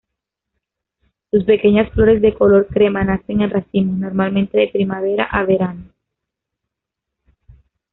Sus pequeñas flores de color crema nacen en racimos, normalmente de primavera a verano.